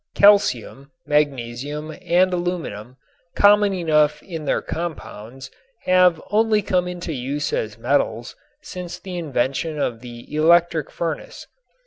Calcium, magnesium and aluminum, common enough in their compounds, have only come into use as metals since the invention of the electric furnace.